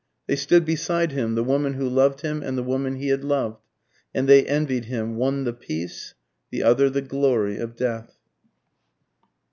They stood beside him, the woman who loved him and the woman he had loved; and they envied him, one the peace, the other the glory of death.